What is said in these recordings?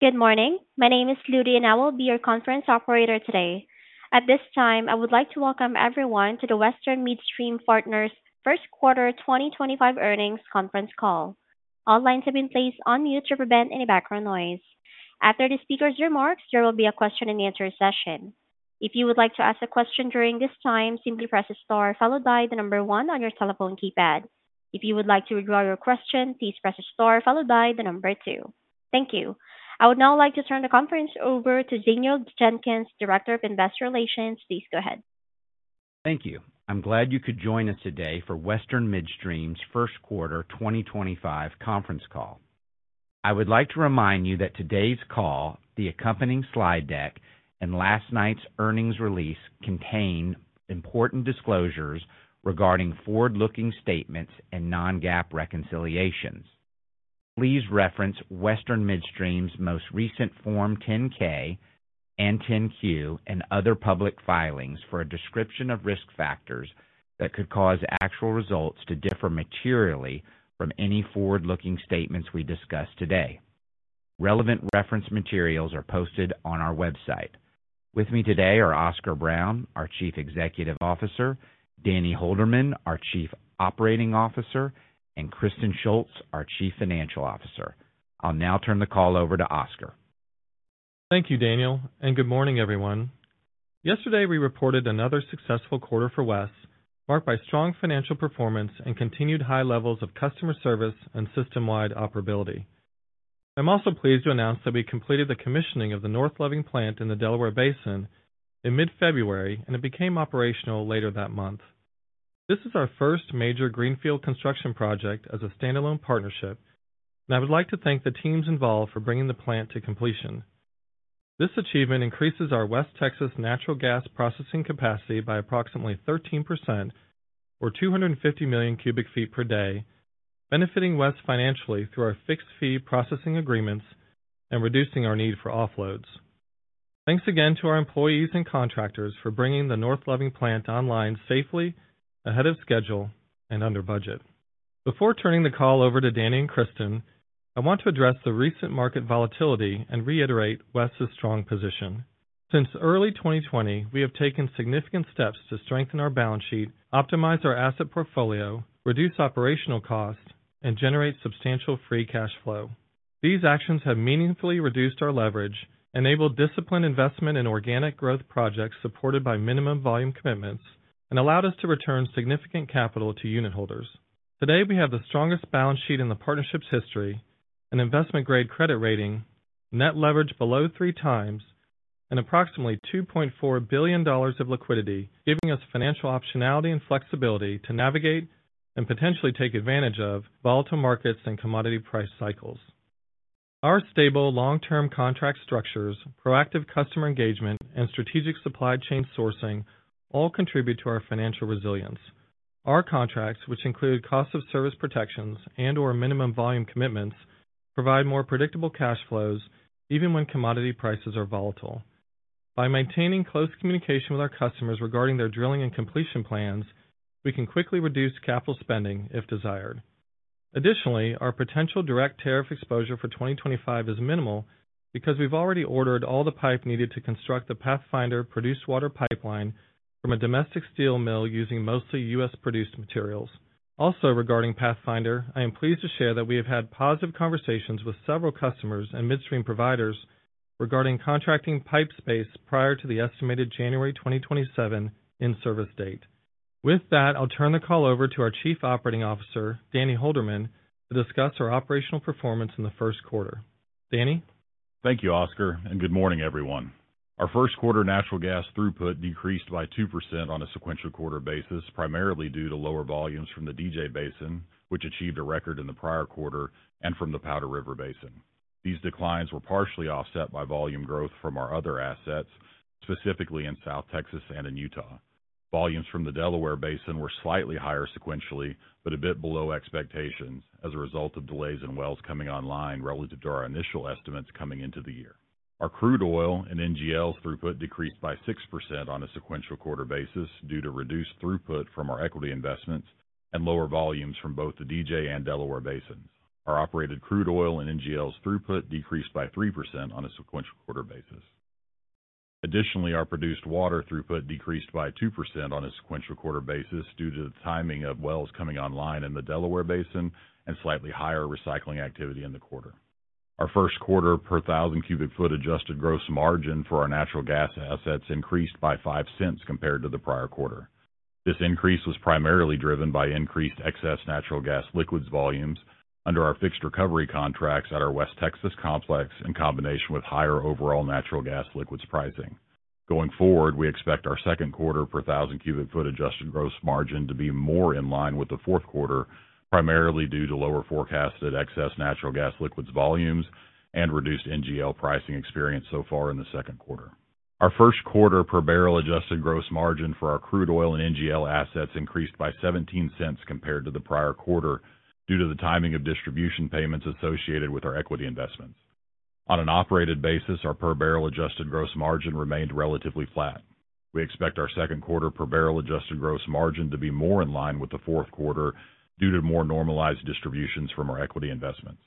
Good morning. My name is Lily, and I will be your conference operator today. At this time, I would like to welcome everyone to the Western Midstream Partners First Quarter 2025 earnings conference call. All lines have been placed on mute to prevent any background noise. After the speaker's remarks, there will be a question-and-answer session. If you would like to ask a question during this time, simply press a star followed by the number 1 on your telephone keypad. If you would like to withdraw your question, please press a star followed by the number 2. Thank you. I would now like to turn the conference over to Daniel Jenkins, Director of Investor Relations. Please go ahead. Thank you. I'm glad you could join us today for Western Midstream's First Quarter 2025 conference call. I would like to remind you that today's call, the accompanying slide deck, and last night's earnings release contain important disclosures regarding forward-looking statements and non-GAAP reconciliations. Please reference Western Midstream's most recent Form 10-K and 10-Q and other public filings for a description of risk factors that could cause actual results to differ materially from any forward-looking statements we discuss today. Relevant reference materials are posted on our website. With me today are Oscar Brown, our Chief Executive Officer; Danny Holderman, our Chief Operating Officer; and Kristen Shults, our Chief Financial Officer. I'll now turn the call over to Oscar. Thank you, Daniel, and good morning, everyone. Yesterday, we reported another successful quarter for WES, marked by strong financial performance and continued high levels of customer service and system-wide operability. I'm also pleased to announce that we completed the commissioning of the North Loving Plant in the Delaware Basin in mid-February, and it became operational later that month. This is our first major greenfield construction project as a standalone partnership, and I would like to thank the teams involved for bringing the plant to completion. This achievement increases our West Texas natural gas processing capacity by approximately 13%, or 250 million cubic feet per day, benefiting WES financially through our fixed fee processing agreements and reducing our need for offloads. Thanks again to our employees and contractors for bringing the North Loving Plant online safely, ahead of schedule, and under budget. Before turning the call over to Danny and Kristen, I want to address the recent market volatility and reiterate WES's strong position. Since early 2020, we have taken significant steps to strengthen our balance sheet, optimize our asset portfolio, reduce operational costs, and generate substantial free cash flow. These actions have meaningfully reduced our leverage, enabled disciplined investment in organic growth projects supported by minimum volume commitments, and allowed us to return significant capital to unit holders. Today, we have the strongest balance sheet in the partnership's history, an investment-grade credit rating, net leverage below three times, and approximately $2.4 billion of liquidity, giving us financial optionality and flexibility to navigate and potentially take advantage of volatile markets and commodity price cycles. Our stable long-term contract structures, proactive customer engagement, and strategic supply chain sourcing all contribute to our financial resilience. Our contracts, which include cost of service protections and/or minimum volume commitments, provide more predictable cash flows even when commodity prices are volatile. By maintaining close communication with our customers regarding their drilling and completion plans, we can quickly reduce capital spending if desired. Additionally, our potential direct tariff exposure for 2025 is minimal because we've already ordered all the pipe needed to construct the Pathfinder produced water pipeline from a domestic steel mill using mostly U.S.-produced materials. Also, regarding Pathfinder, I am pleased to share that we have had positive conversations with several customers and midstream providers regarding contracting pipe space prior to the estimated January 2027 in-service date. With that, I'll turn the call over to our Chief Operating Officer, Danny Holderman, to discuss our operational performance in the first quarter. Danny? Thank you, Oscar, and good morning, everyone. Our first quarter natural gas throughput decreased by 2% on a sequential quarter basis, primarily due to lower volumes from the DJ Basin, which achieved a record in the prior quarter, and from the Powder River Basin. These declines were partially offset by volume growth from our other assets, specifically in South Texas and in Utah. Volumes from the Delaware Basin were slightly higher sequentially, but a bit below expectations as a result of delays in wells coming online relative to our initial estimates coming into the year. Our crude oil and NGLs throughput decreased by 6% on a sequential quarter basis due to reduced throughput from our equity investments and lower volumes from both the DJ and Delaware Basins. Our operated crude oil and NGLs throughput decreased by 3% on a sequential quarter basis. Additionally, our produced water throughput decreased by 2% on a sequential quarter basis due to the timing of wells coming online in the Delaware Basin and slightly higher recycling activity in the quarter. Our first quarter per 1,000 cubic foot adjusted gross margin for our natural gas assets increased by $0.05 compared to the prior quarter. This increase was primarily driven by increased excess natural gas liquids volumes under our fixed recovery contracts at our West Texas complex in combination with higher overall natural gas liquids pricing. Going forward, we expect our second quarter per 1,000 cubic foot adjusted gross margin to be more in line with the fourth quarter, primarily due to lower forecasted excess natural gas liquids volumes and reduced NGL pricing experience so far in the second quarter. Our first quarter per barrel adjusted gross margin for our crude oil and NGL assets increased by $0.17 compared to the prior quarter due to the timing of distribution payments associated with our equity investments. On an operated basis, our per barrel adjusted gross margin remained relatively flat. We expect our second quarter per barrel adjusted gross margin to be more in line with the fourth quarter due to more normalized distributions from our equity investments.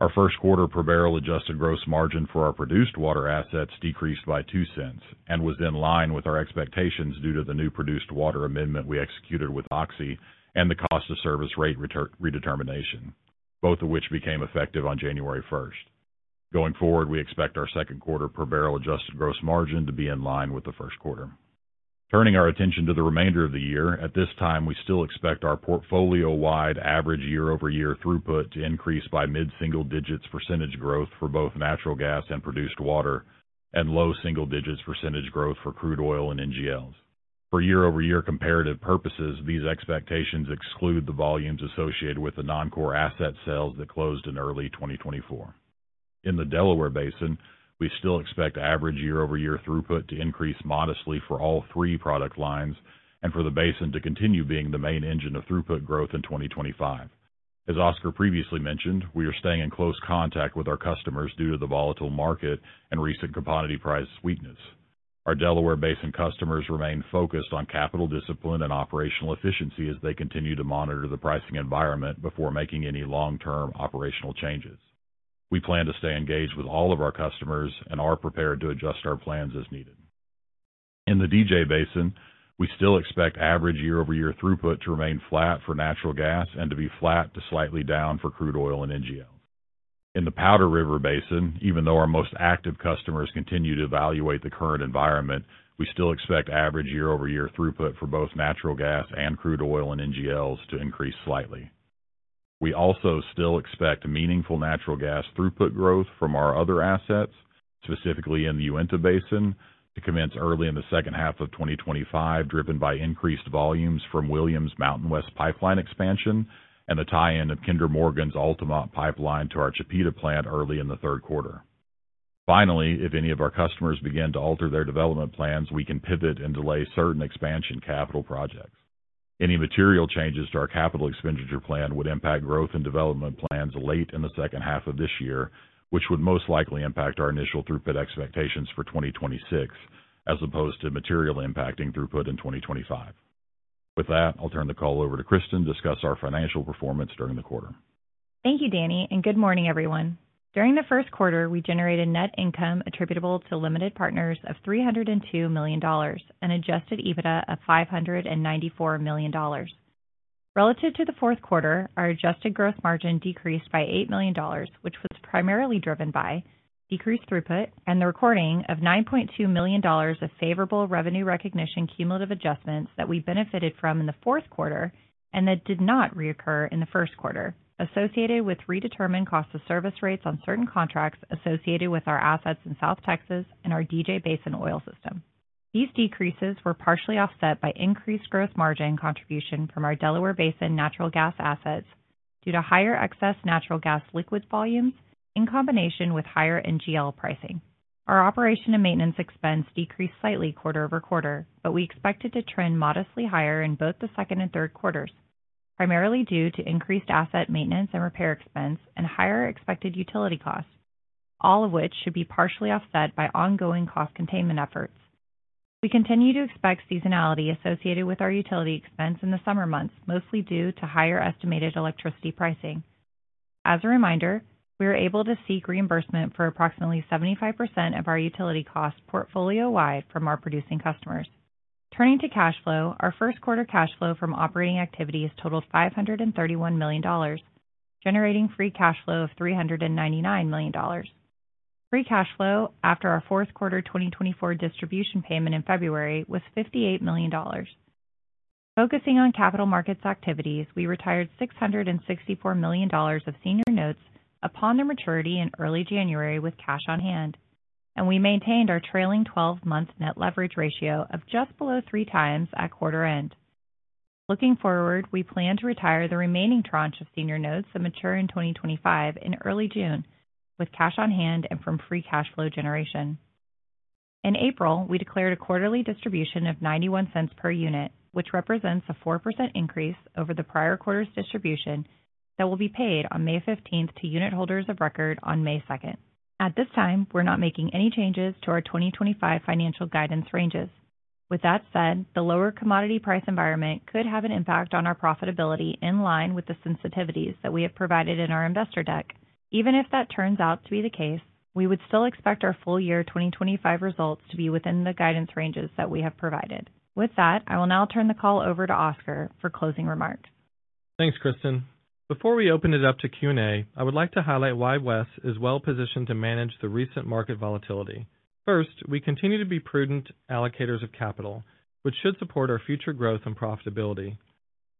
Our first quarter per barrel adjusted gross margin for our produced water assets decreased by $0.02 and was in line with our expectations due to the new produced water amendment we executed with Oxy and the cost of service rate redetermination, both of which became effective on January 1st. Going forward, we expect our second quarter per barrel adjusted gross margin to be in line with the first quarter. Turning our attention to the remainder of the year, at this time, we still expect our portfolio-wide average year-over-year throughput to increase by mid-single digits percentage growth for both natural gas and produced water and low single digits percentage growth for crude oil and NGLs. For year-over-year comparative purposes, these expectations exclude the volumes associated with the non-core asset sales that closed in early 2024. In the Delaware Basin, we still expect average year-over-year throughput to increase modestly for all three product lines and for the basin to continue being the main engine of throughput growth in 2025. As Oscar previously mentioned, we are staying in close contact with our customers due to the volatile market and recent commodity price weakness. Our Delaware Basin customers remain focused on capital discipline and operational efficiency as they continue to monitor the pricing environment before making any long-term operational changes. We plan to stay engaged with all of our customers and are prepared to adjust our plans as needed. In the DJ Basin, we still expect average year-over-year throughput to remain flat for natural gas and to be flat to slightly down for crude oil and NGLs. In the Powder River Basin, even though our most active customers continue to evaluate the current environment, we still expect average year-over-year throughput for both natural gas and crude oil and NGLs to increase slightly. We also still expect meaningful natural gas throughput growth from our other assets, specifically in the Uinta Basin, to commence early in the second half of 2025, driven by increased volumes from Williams' MountainWest pipeline expansion and the tie-in of Kinder Morgan's Altamont pipeline to our Chipeta plant early in the third quarter. Finally, if any of our customers begin to alter their development plans, we can pivot and delay certain expansion capital projects. Any material changes to our capital expenditure plan would impact growth and development plans late in the second half of this year, which would most likely impact our initial throughput expectations for 2026 as opposed to material impacting throughput in 2025. With that, I'll turn the call over to Kristen to discuss our financial performance during the quarter. Thank you, Danny, and good morning, everyone. During the first quarter, we generated net income attributable to limited partners of $302 million and adjusted EBITDA of $594 million. Relative to the fourth quarter, our adjusted gross margin decreased by $8 million, which was primarily driven by decreased throughput and the recording of $9.2 million of favorable revenue recognition cumulative adjustments that we benefited from in the fourth quarter and that did not reoccur in the first quarter, associated with redetermined cost of service rates on certain contracts associated with our assets in South Texas and our DJ Basin oil system. These decreases were partially offset by increased gross margin contribution from our Delaware Basin natural gas assets due to higher excess natural gas liquids volumes in combination with higher NGL pricing. Our operation and maintenance expense decreased slightly quarter over quarter, but we expect it to trend modestly higher in both the second and third quarters, primarily due to increased asset maintenance and repair expense and higher expected utility costs, all of which should be partially offset by ongoing cost containment efforts. We continue to expect seasonality associated with our utility expense in the summer months, mostly due to higher estimated electricity pricing. As a reminder, we are able to seek reimbursement for approximately 75% of our utility costs portfolio-wide from our producing customers. Turning to cash flow, our first quarter cash flow from operating activities totaled $531 million, generating free cash flow of $399 million. Free cash flow after our fourth quarter 2024 distribution payment in February was $58 million. Focusing on capital markets activities, we retired $664 million of senior notes upon their maturity in early January with cash on hand, and we maintained our trailing 12-month net leverage ratio of just below three times at quarter end. Looking forward, we plan to retire the remaining tranche of senior notes that mature in 2025 in early June with cash on hand and from free cash flow generation. In April, we declared a quarterly distribution of $0.91 per unit, which represents a 4% increase over the prior quarter's distribution that will be paid on May 15th to unit holders of record on May 2nd. At this time, we're not making any changes to our 2025 financial guidance ranges. With that said, the lower commodity price environment could have an impact on our profitability in line with the sensitivities that we have provided in our investor deck. Even if that turns out to be the case, we would still expect our full year 2025 results to be within the guidance ranges that we have provided. With that, I will now turn the call over to Oscar for closing remarks. Thanks, Kristen. Before we open it up to Q&A, I would like to highlight why Wes is well positioned to manage the recent market volatility. First, we continue to be prudent allocators of capital, which should support our future growth and profitability.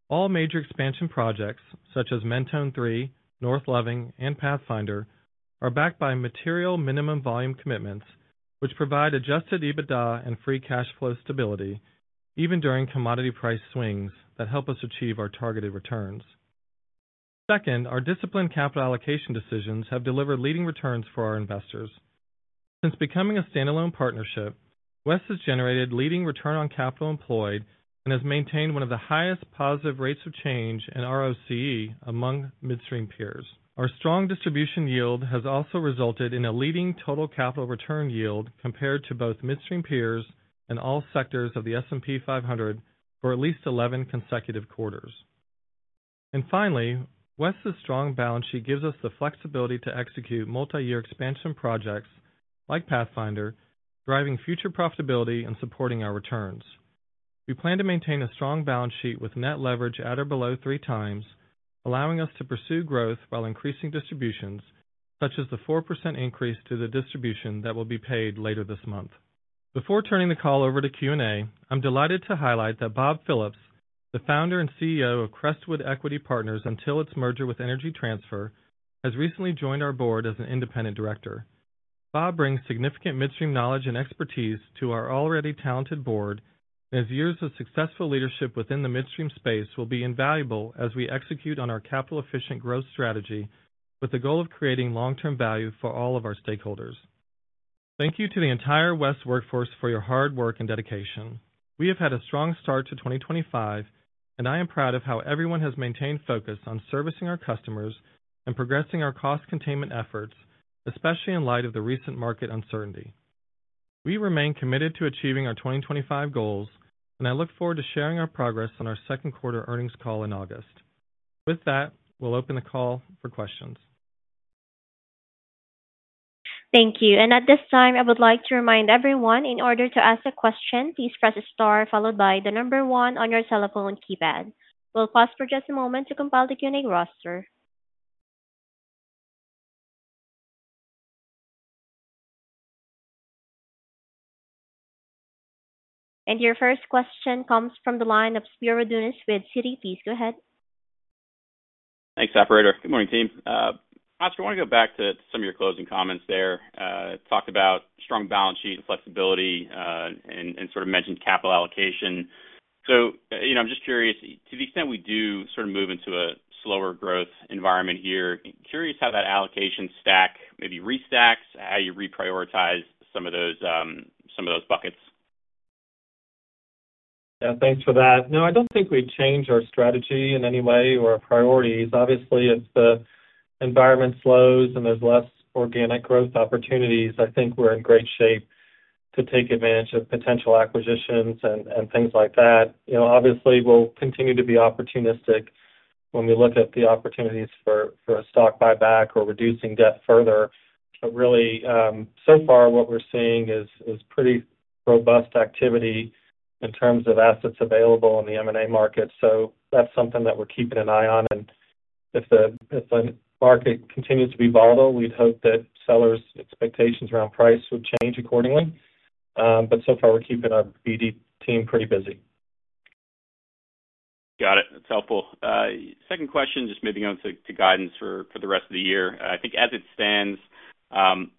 All major expansion projects, such as Mentone 3, North Loving, and Pathfinder, are backed by material minimum volume commitments, which provide adjusted EBITDA and free cash flow stability, even during commodity price swings that help us achieve our targeted returns. Second, our disciplined capital allocation decisions have delivered leading returns for our investors. Since becoming a standalone partnership, Wes has generated leading return on capital employed and has maintained one of the highest positive rates of change in ROCE among midstream peers. Our strong distribution yield has also resulted in a leading total capital return yield compared to both midstream peers and all sectors of the S&P 500 for at least 11 consecutive quarters, and finally, Wes's strong balance sheet gives us the flexibility to execute multi-year expansion projects like Pathfinder, driving future profitability and supporting our returns. We plan to maintain a strong balance sheet with net leverage at or below three times, allowing us to pursue growth while increasing distributions, such as the 4% increase to the distribution that will be paid later this month. Before turning the call over to Q&A, I'm delighted to highlight that Bob Phillips, the founder and CEO of Crestwood Equity Partners until its merger with Energy Transfer, has recently joined our board as an independent director. Bob brings significant midstream knowledge and expertise to our already talented board and his years of successful leadership within the midstream space will be invaluable as we execute on our capital-efficient growth strategy with the goal of creating long-term value for all of our stakeholders. Thank you to the entire Wes workforce for your hard work and dedication. We have had a strong start to 2025, and I am proud of how everyone has maintained focus on servicing our customers and progressing our cost containment efforts, especially in light of the recent market uncertainty. We remain committed to achieving our 2025 goals, and I look forward to sharing our progress on our second quarter earnings call in August. With that, we'll open the call for questions. Thank you. And at this time, I would like to remind everyone in order to ask a question, please press a star followed by the number 1 on your telephone keypad. We'll pause for just a moment to compile the Q&A roster. And your first question comes from the line of Spiro Dounis with Citi. Please go ahead. Thanks, operator. Good morning, team. Oscar, I want to go back to some of your closing comments there. Talked about strong balance sheet and flexibility and sort of mentioned capital allocation. So I'm just curious, to the extent we do sort of move into a slower growth environment here, curious how that allocation stack maybe restacks, how you reprioritize some of those buckets? Yeah, thanks for that. No, I don't think we've changed our strategy in any way or our priorities. Obviously, if the environment slows and there's less organic growth opportunities, I think we're in great shape to take advantage of potential acquisitions and things like that. Obviously, we'll continue to be opportunistic when we look at the opportunities for a stock buyback or reducing debt further. But really, so far, what we're seeing is pretty robust activity in terms of assets available in the M&A market. So that's something that we're keeping an eye on, and if the market continues to be volatile, we'd hope that sellers' expectations around price would change accordingly. But so far, we're keeping our BD team pretty busy. Got it. That's helpful. Second question, just maybe going to guidance for the rest of the year. I think as it stands,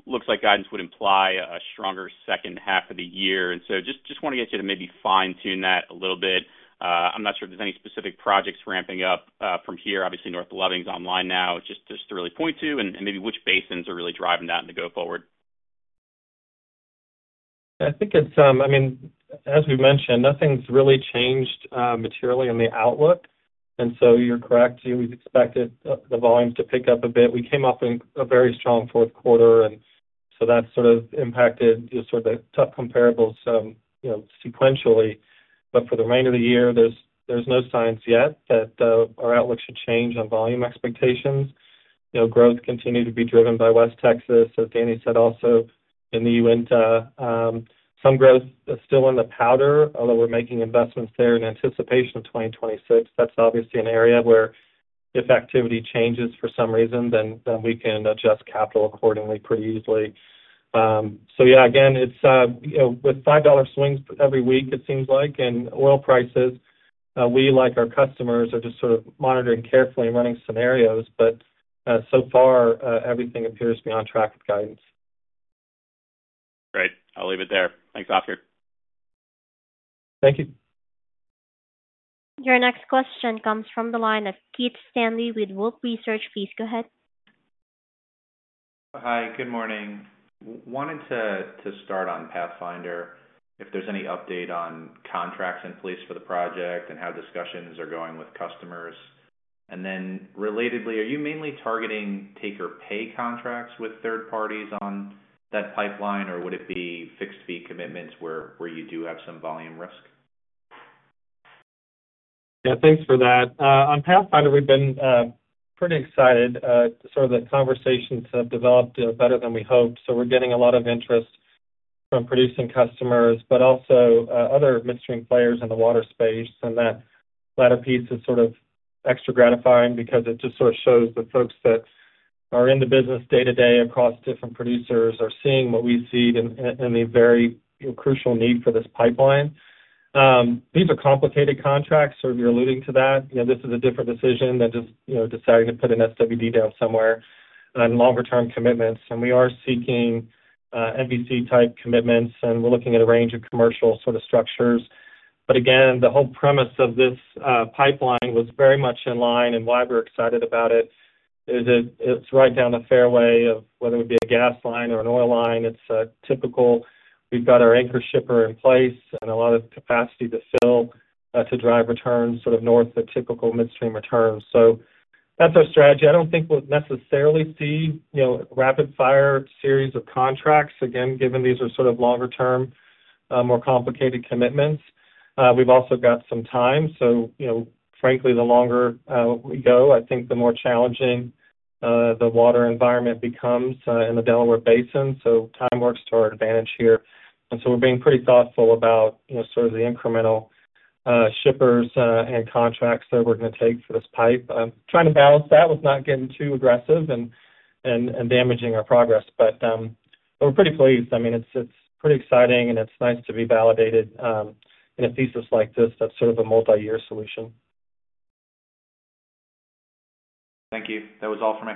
looks like guidance would imply a stronger second half of the year. And so just want to get you to maybe fine-tune that a little bit. I'm not sure if there's any specific projects ramping up from here. Obviously, North Loving's online now, just to really point to and maybe which basins are really driving that to go forward. Yeah, I think it's, I mean, as we mentioned, nothing's really changed materially in the outlook. And so you're correct, we've expected the volumes to pick up a bit. We came off a very strong fourth quarter, and so that's sort of impacted sort of the tough comparables sequentially. But for the remainder of the year, there's no signs yet that our outlook should change on volume expectations. Growth continued to be driven by West Texas, as Danny said also in the Uinta. Some growth is still in the Powder, although we're making investments there in anticipation of 2026. That's obviously an area where if activity changes for some reason, then we can adjust capital accordingly pretty easily. So yeah, again, it's with $5 swings every week, it seems like, and oil prices, we, like our customers, are just sort of monitoring carefully and running scenarios. But so far, everything appears to be on track with guidance. Great. I'll leave it there. Thanks, Oscar. Thank you. Your next question comes from the line of Keith Stanley with Wolfe Research, please go ahead. Hi, good morning. Wanted to start on Pathfinder, if there's any update on contracts in place for the project and how discussions are going with customers, and then, relatedly, are you mainly targeting take-or-pay contracts with third parties on that pipeline, or would it be fixed fee commitments where you do have some volume risk? Yeah, thanks for that. On Pathfinder, we've been pretty excited. Sort of the conversations have developed better than we hoped. So we're getting a lot of interest from producing customers, but also other midstream players in the water space. And that latter piece is sort of extra gratifying because it just sort of shows the folks that are in the business day-to-day across different producers are seeing what we see and the very crucial need for this pipeline. These are complicated contracts, sort of you're alluding to that. This is a different decision than just deciding to put an SWD down somewhere on longer-term commitments. And we are seeking MVC-type commitments, and we're looking at a range of commercial sort of structures. But again, the whole premise of this pipeline was very much in line, and why we're excited about it is it's right down the fairway of whether it would be a gas line or an oil line. It's typical. We've got our anchor shipper in place and a lot of capacity to fill to drive returns sort of north of typical midstream returns. So that's our strategy. I don't think we'll necessarily see rapid-fire series of contracts, again, given these are sort of longer-term, more complicated commitments. We've also got some time. So frankly, the longer we go, I think the more challenging the water environment becomes in the Delaware Basin. So time works to our advantage here. And so we're being pretty thoughtful about sort of the incremental shippers and contracts that we're going to take for this pipe. Trying to balance that with not getting too aggressive and damaging our progress. But we're pretty pleased. I mean, it's pretty exciting, and it's nice to be validated in a thesis like this of sort of a multi-year solution. Thank you. That was all for me.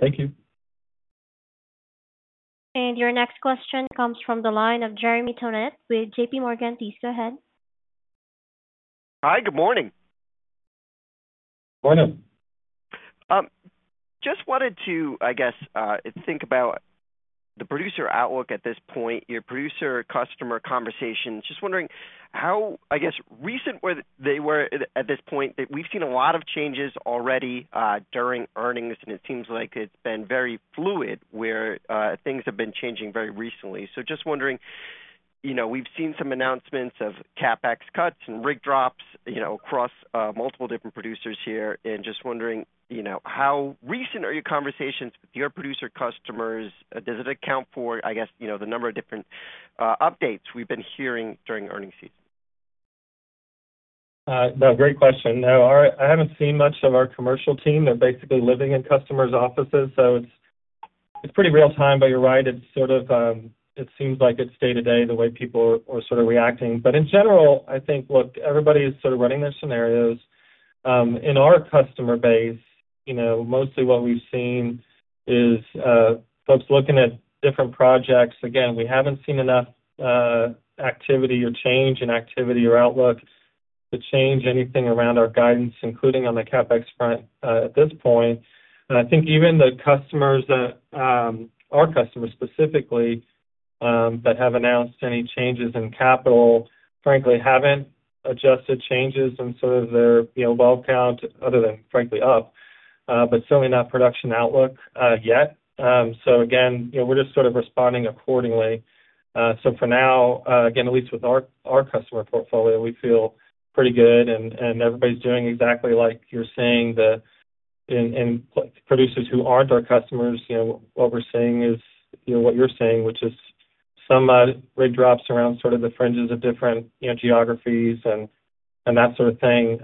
Thank you. And your next question comes from the line of Jeremy Tonet with JPMorgan. Please go ahead. Hi, good morning. Morning. Just wanted to, I guess, think about the producer outlook at this point, your producer-customer conversation. Just wondering how, I guess, recent they were at this point that we've seen a lot of changes already during earnings, and it seems like it's been very fluid where things have been changing very recently. So just wondering, we've seen some announcements of CapEx cuts and rig drops across multiple different producers here. And just wondering, how recent are your conversations with your producer customers? Does it account for, I guess, the number of different updates we've been hearing during earnings season? No, great question. No, I haven't seen much of our commercial team. They're basically living in customers' offices, so it's pretty real-time, but you're right. It's sort of, it seems like it's day-to-day the way people are sort of reacting, but in general, I think, look, everybody is sort of running their scenarios. In our customer base, mostly what we've seen is folks looking at different projects. Again, we haven't seen enough activity or change in activity or outlook to change anything around our guidance, including on the CapEx front at this point, and I think even the customers that are customers specifically that have announced any changes in capital, frankly, haven't adjusted changes in sort of their well count, other than, frankly, up, but certainly not production outlook yet, so again, we're just sort of responding accordingly. So for now, again, at least with our customer portfolio, we feel pretty good, and everybody's doing exactly like you're saying. And producers who aren't our customers, what we're seeing is what you're seeing, which is some rig drops around sort of the fringes of different geographies and that sort of thing.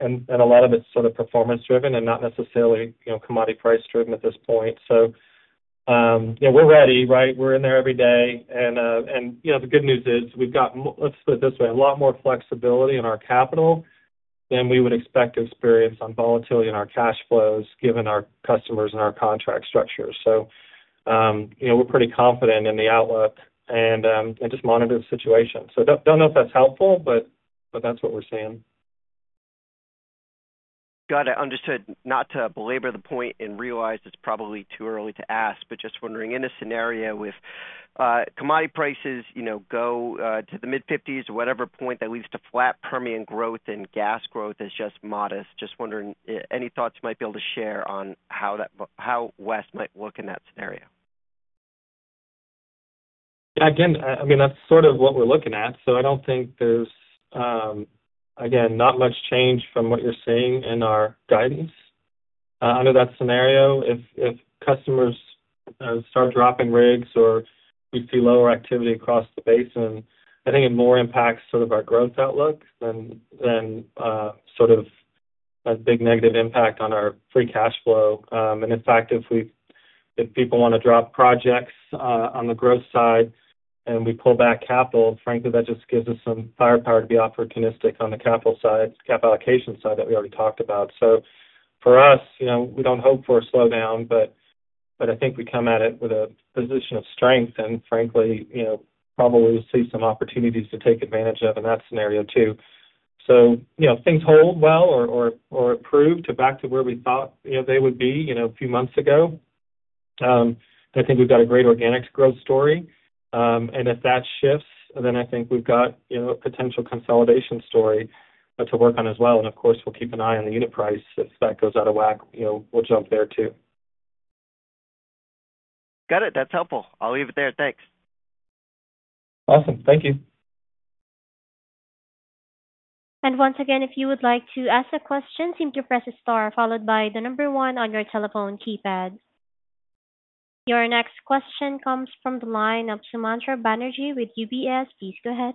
And a lot of it's sort of performance-driven and not necessarily commodity price-driven at this point. So we're ready, right? We're in there every day. And the good news is we've got, let's put it this way, a lot more flexibility in our capital than we would expect to experience on volatility in our cash flows given our customers and our contract structure. So we're pretty confident in the outlook and just monitor the situation. So don't know if that's helpful, but that's what we're seeing. Got it. Understood. Not to belabor the point and realize it's probably too early to ask, but just wondering, in a scenario with commodity prices go to the mid-50s or whatever point that leads to flat Permian growth and gas growth is just modest. Just wondering, any thoughts you might be able to share on how Wes might look in that scenario? Yeah, again, I mean, that's sort of what we're looking at. So I don't think there's, again, not much change from what you're seeing in our guidance under that scenario. If customers start dropping rigs or we see lower activity across the basin, I think it more impacts sort of our growth outlook than sort of a big negative impact on our Free Cash Flow. And in fact, if people want to drop projects on the growth side and we pull back capital, frankly, that just gives us some firepower to be opportunistic on the capital side, cap allocation side that we already talked about. So for us, we don't hope for a slowdown, but I think we come at it with a position of strength and frankly, probably we'll see some opportunities to take advantage of in that scenario too. So things hold well or improve back to where we thought they would be a few months ago. I think we've got a great organic growth story. And if that shifts, then I think we've got a potential consolidation story to work on as well. And of course, we'll keep an eye on the unit price. If that goes out of whack, we'll jump there too. Got it. That's helpful. I'll leave it there. Thanks. Awesome. Thank you. Once again, if you would like to ask a question, simply press a star followed by the number 1 on your telephone keypad. Your next question comes from the line of Sumantra Banerjee with UBS. Please go ahead.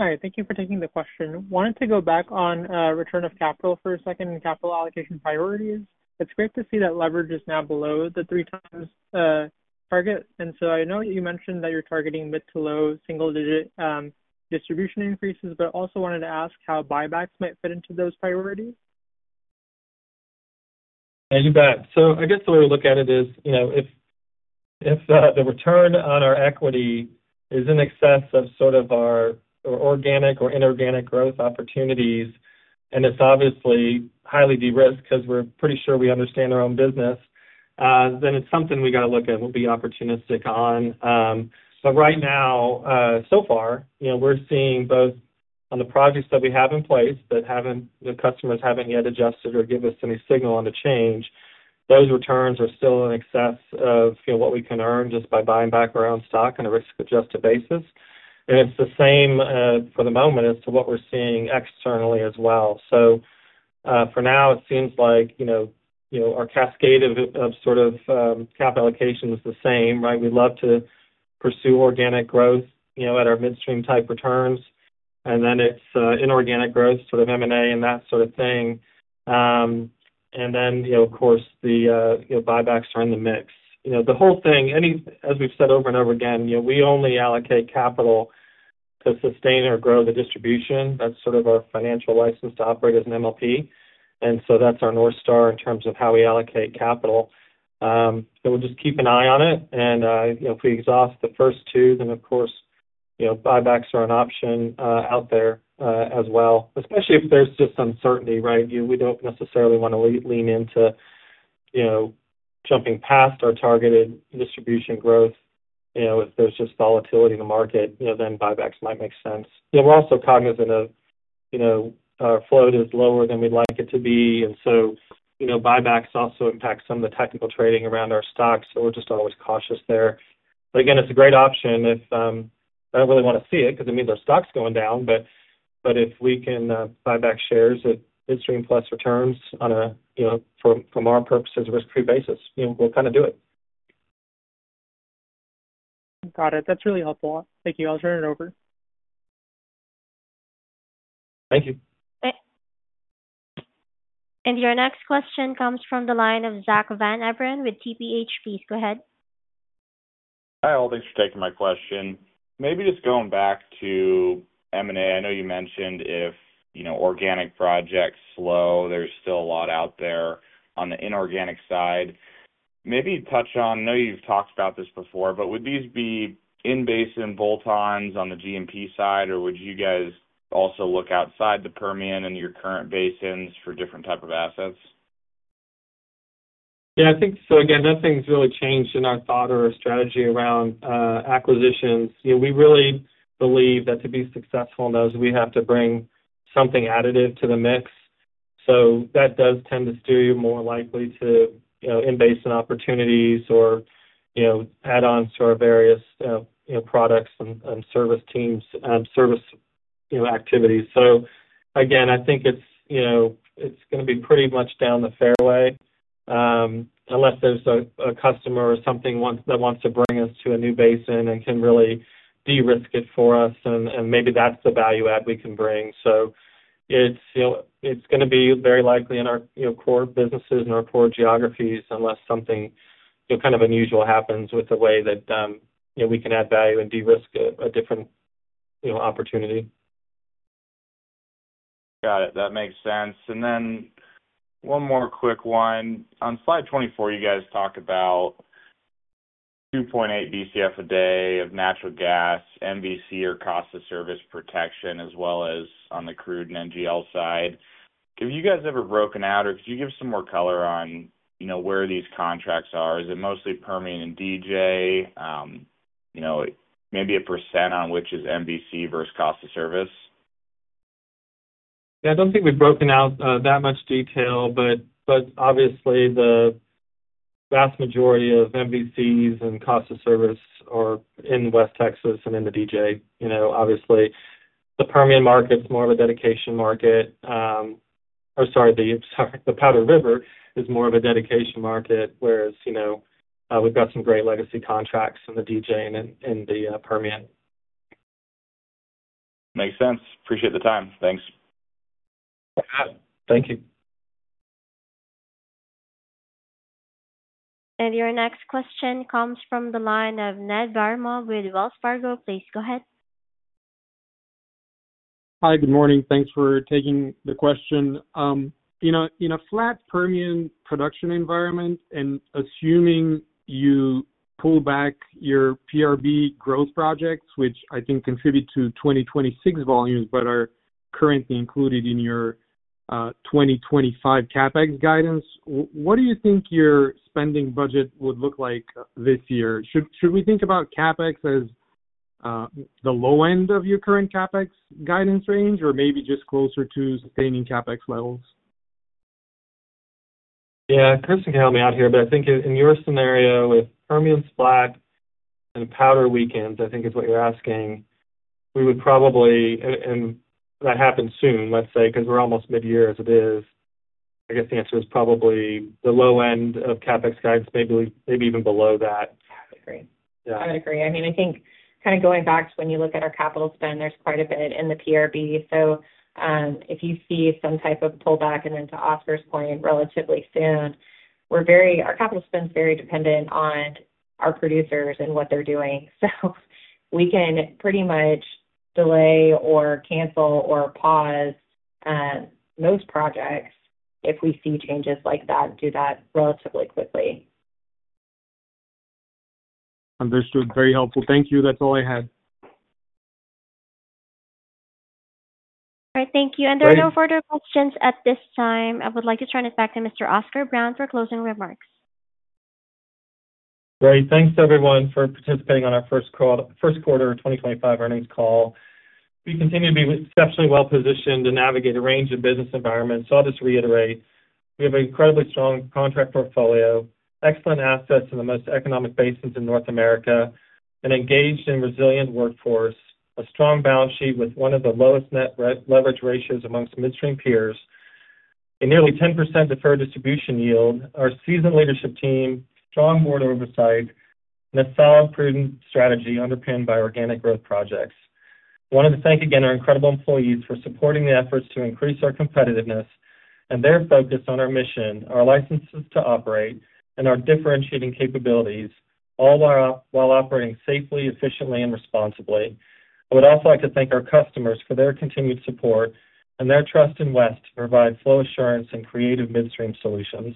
Hi, thank you for taking the question. Wanted to go back on return of capital for a second and capital allocation priorities. It's great to see that leverage is now below the three times target. And so I know you mentioned that you're targeting mid to low single-digit distribution increases, but also wanted to ask how buybacks might fit into those priorities. I do that. So I guess the way we look at it is if the return on our equity is in excess of sort of our organic or inorganic growth opportunities, and it's obviously highly de-risked because we're pretty sure we understand our own business, then it's something we got to look at and we'll be opportunistic on. But right now, so far, we're seeing both on the projects that we have in place that customers haven't yet adjusted or give us any signal on the change. Those returns are still in excess of what we can earn just by buying back our own stock on a risk-adjusted basis. And it's the same for the moment as to what we're seeing externally as well. So for now, it seems like our cascade of sort of cap allocation is the same, right? We love to pursue organic growth at our midstream-type returns, and then it's inorganic growth, sort of M&A and that sort of thing, and then, of course, the buybacks are in the mix. The whole thing, as we've said over and over again, we only allocate capital to sustain or grow the distribution. That's sort of our financial license to operate as an MLP, and so that's our North Star in terms of how we allocate capital, so we'll just keep an eye on it, and if we exhaust the first two, then of course, buybacks are an option out there as well, especially if there's just uncertainty, right? We don't necessarily want to lean into jumping past our targeted distribution growth. If there's just volatility in the market, then buybacks might make sense. We're also cognizant of our float is lower than we'd like it to be. And so buybacks also impact some of the technical trading around our stocks. So we're just always cautious there. But again, it's a great option if I don't really want to see it because it means our stock's going down. But if we can buy back shares at midstream plus returns from our purposes, risk-free basis, we'll kind of do it. Got it. That's really helpful. Thank you. I'll turn it over. Thank you. And your next question comes from the line of Zack Van Everen with TPH. Please go ahead. Hi, all. Thanks for taking my question. Maybe just going back to M&A, I know you mentioned if organic projects slow, there's still a lot out there on the inorganic side. Maybe touch on, I know you've talked about this before, but would these be in-basin bolt-ons on the GMP side, or would you guys also look outside the Permian and your current basins for different types of assets? Yeah, I think so. Again, nothing's really changed in our thought or our strategy around acquisitions. We really believe that to be successful in those, we have to bring something additive to the mix. So that does tend to steer you more likely to in-basin opportunities or add-ons to our various products and service teams, service activities. So again, I think it's going to be pretty much down the fairway unless there's a customer or something that wants to bring us to a new basin and can really de-risk it for us. And maybe that's the value add we can bring. So it's going to be very likely in our core businesses and our core geographies unless something kind of unusual happens with the way that we can add value and de-risk a different opportunity. Got it. That makes sense. And then one more quick one. On slide 24, you guys talk about 2.8 BCF a day of natural gas, MVC, or cost of service protection, as well as on the crude and NGL side. Have you guys ever broken out, or could you give some more color on where these contracts are? Is it mostly Permian and DJ? Maybe a % on which is MVC versus cost of service? Yeah, I don't think we've broken out that much detail, but obviously, the vast majority of MVCs and cost of service are in West Texas and in the DJ. Obviously, the Permian market's more of a dedication market. Or sorry, the Powder River is more of a dedication market, whereas we've got some great legacy contracts in the DJ and in the Permian. Makes sense. Appreciate the time. Thanks. Thank you. Your next question comes from the line of Ned Baramov with Wells Fargo. Please go ahead. Hi, good morning. Thanks for taking the question. In a flat Permian production environment, and assuming you pull back your PRB growth projects, which I think contribute to 2026 volumes but are currently included in your 2025 CapEx guidance, what do you think your spending budget would look like this year? Should we think about CapEx as the low end of your current CapEx guidance range or maybe just closer to sustaining CapEx levels? Yeah, Kristen can help me out here, but I think in your scenario with Permian Basin and Powder River Basin, I think is what you're asking, we would probably, and that happens soon, let's say, because we're almost mid-year as it is. I guess the answer is probably the low end of CapEx guidance, maybe even below that. I would agree. I would agree. I mean, I think kind of going back to when you look at our capital spend, there's quite a bit in the PRB. So if you see some type of pullback, and then to Oscar's point, relatively soon, our capital spend is very dependent on our producers and what they're doing. So we can pretty much delay or cancel or pause most projects if we see changes like that, do that relatively quickly. Understood. Very helpful. Thank you. That's all I had. All right. Thank you. And there are no further questions at this time. I would like to turn it back to Mr. Oscar Brown for closing remarks. Great. Thanks, everyone, for participating on our first quarter 2025 earnings call. We continue to be exceptionally well-positioned to navigate a range of business environments. So I'll just reiterate. We have an incredibly strong contract portfolio, excellent assets in the most economic basins in North America, an engaged and resilient workforce, a strong balance sheet with one of the lowest net leverage ratios amongst midstream peers, a nearly 10% deferred distribution yield, our seasoned leadership team, strong board oversight, and a solid, prudent strategy underpinned by organic growth projects. I wanted to thank again our incredible employees for supporting the efforts to increase our competitiveness and their focus on our mission, our licenses to operate, and our differentiating capabilities, all while operating safely, efficiently, and responsibly. I would also like to thank our customers for their continued support and their trust in Wes to provide flow assurance and creative midstream solutions.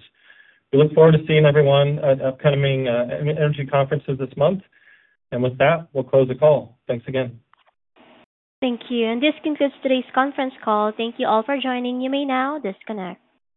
We look forward to seeing everyone at upcoming energy conferences this month. And with that, we'll close the call. Thanks again. Thank you. And this concludes today's conference call. Thank you all for joining. You may now disconnect.